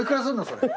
それ。